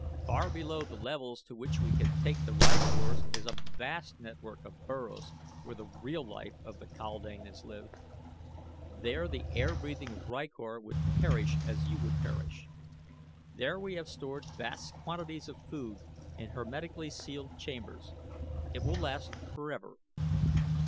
Far below the levels to which we can take the rykors is a vast network of burrows where the real life of the kaldane is lived. There the air breathing rykor would perish as you would perish. There we have stored vast quantities of food in hermetically sealed chambers. It will last forever.